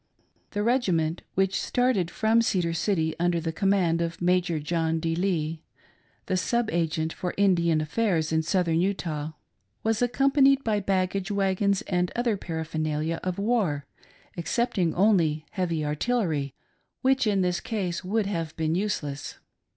The regiment which started from Cedar City under the command of Major John D. Lee, the sub agent for Indian affairs in Southern Utah, was accompanied by baggage ' wagons and the other paraphernalia of war, excepting only heavy artillery, which in this case would have been useless.